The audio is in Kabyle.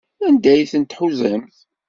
Anda ay tent-tḥuzamt?